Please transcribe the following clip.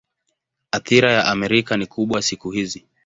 Athira ya Amerika ni kubwa siku hizi.